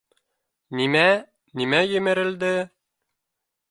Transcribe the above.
— Нимә, нимә емерелде?